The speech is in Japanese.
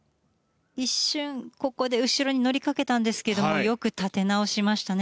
一瞬、ここで後ろになりかけたんですけどよく立て直しましたね。